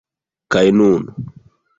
Kaj nun...